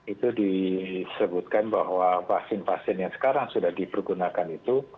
itu disebutkan bahwa vaksin pasien yang sekarang sudah dipergunakan itu